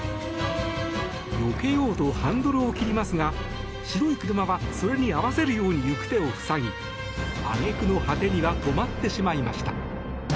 よけようとハンドルを切りますが白い車はそれに合わせるように行く手を塞ぎ揚げ句の果てには止まってしまいました。